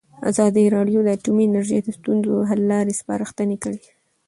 ازادي راډیو د اټومي انرژي د ستونزو حل لارې سپارښتنې کړي.